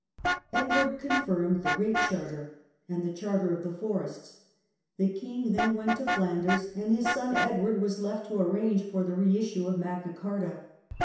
Edward confirmed the Great Charter and the Charter of the Forests. The king then went to Flanders, and his son Edward was left to arrange for the reissue of Magna Carta.